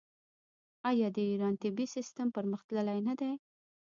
آیا د ایران طبي سیستم پرمختللی نه دی؟